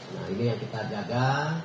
nah ini yang kita jaga